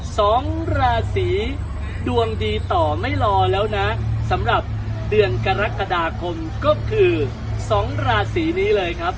สองราศีดวงดีต่อไม่รอแล้วนะสำหรับเดือนกรกฎาคมก็คือสองราศีนี้เลยครับ